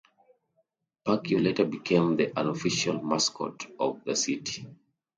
Perkeo later became the unofficial mascot of the city.